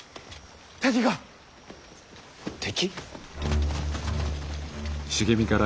敵が。敵？